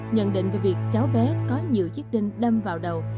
nhận định về việc cháu bé có nhiều chiếc tinh đâm vào đầu